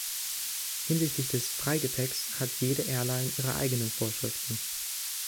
Hinsichtlich des Freigepäcks hat jede Airline ihre eigenen Vorschriften.